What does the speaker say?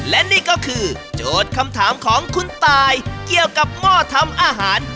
และนี่ก็คือโจทย์คำถามของคุณตายเกี่ยวกับหม้อทำอาหาร